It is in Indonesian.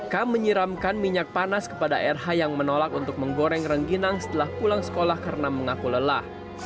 k menyiramkan minyak panas kepada rh yang menolak untuk menggoreng rengginang setelah pulang sekolah karena mengaku lelah